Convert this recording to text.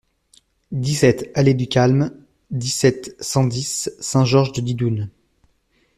dix-sept allée du Calme, dix-sept, cent dix, Saint-Georges-de-Didonne